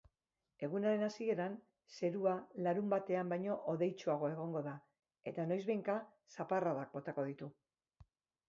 Egunaren hasieran zerua larunbatean baino hodeitsuago egongo da eta noizbehinka zaparradak botako ditu.